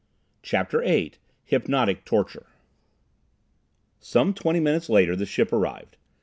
CHAPTER VIII Hypnotic Torture Some twenty minutes later the ship arrived.